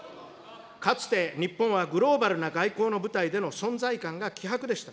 かつて日本はグローバルな外交の舞台での存在感が希薄でした。